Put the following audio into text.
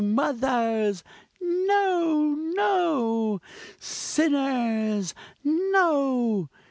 mothers! No! no! sinners, _no!!